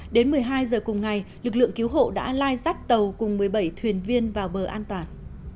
đến một mươi hai giờ cùng ngày lực lượng cứu hộ đã lai dắt tàu cùng một mươi bảy thuyền viên vào bờ an toàn